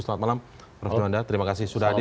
selamat malam profesor juanda terima kasih sudah hadir